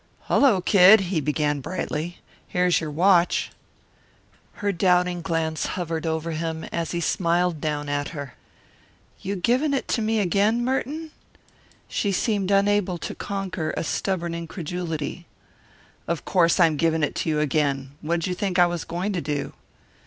"Hullo, Kid," he began brightly. "Here's your watch." Her doubting glance hovered over him as he smiled down at her. "You giving it to me again, Merton?" She seemed unable to conquer a stubborn incredulity. "Of course I'm giving it to you again. What'd you think I was going to do?"